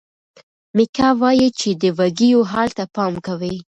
میکا وایي چې د وږیو حال ته پام کوي.